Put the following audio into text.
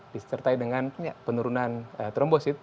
disertai dengan penurunan trombosit